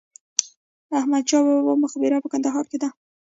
د احمد شاه بابا مقبره په کندهار کې ده